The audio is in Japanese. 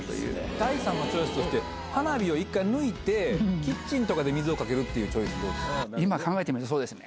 第３のチョイスとして、花火を１回抜いて、キッチンとかで水をかけるとかっていうチョイ今考えてみたらそうですね。